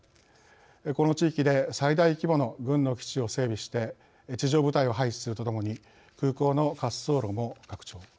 この地域で最大規模の軍の基地を整備して地上部隊を配置するとともに空港の滑走路も拡張。